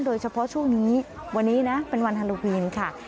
โดยเฉพาะช่วงนี้วันนี้นะเป็นวันฮาโลวีนค่ะ